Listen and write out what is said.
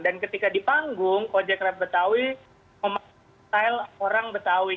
dan ketika di panggung kojek kreb betawi memasuki style orang betawi